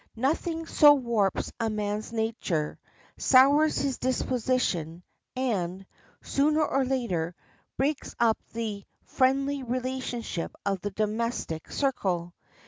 Nothing so warps a man's nature, sours his disposition, and, sooner or later, breaks up the friendly relationship of the domestic circle.